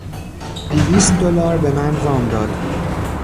دویست دلار بهمن وام داد.